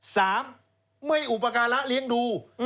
สามไม่อุปการะเลี้ยงดู